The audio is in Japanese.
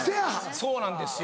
そうなんですよ。